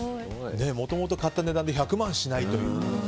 もともと買った値段で１００万しないっていう。